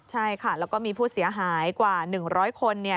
ใช่ค่ะแล้วก็มีผู้เสียหายกว่า๑๐๐คน